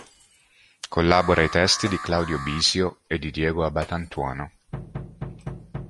Collabora ai testi di Claudio Bisio e di Diego Abatantuono.